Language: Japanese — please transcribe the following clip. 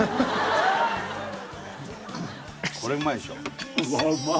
これうまいでしょ？